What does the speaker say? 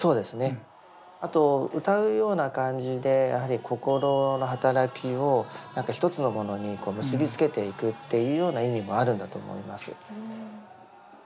あと歌うような感じで心の働きを一つのものに結び付けていくっていうような意味もあるんだと思います。